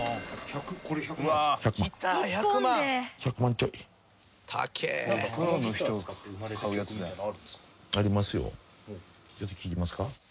ちょっと聴きますか？